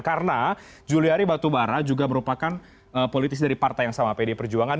karena juliari batubara juga merupakan politis dari partai yang sama pde perjuangan